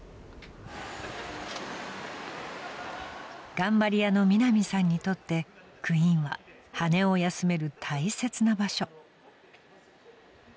［頑張り屋のみなみさんにとってクインは羽を休める大切な場所］